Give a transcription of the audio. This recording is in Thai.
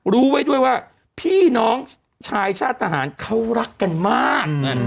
รู้ไว้ด้วยว่าพี่น้องชายชาติทหารเขารักกันมาก